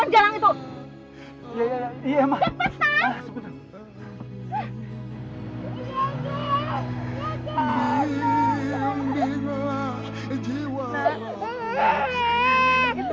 ngapain kamu mikirin bermain jalan itu